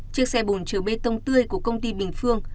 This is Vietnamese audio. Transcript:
chiếc xe bồn chứa bê tông tươi của công ty bình phương